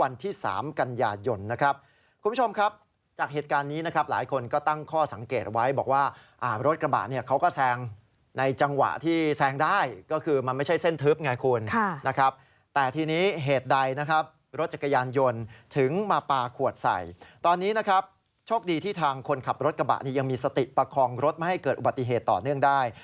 รถจักรยานยนต์ถึงมาปลาขวดใส่ตอนนี้นะครับโชคดีที่ทางคนขับรถกระบะนี่ยังมีสติประคองรถไม่ให้เกิดอุบัติเหตุต่อเนื่องได้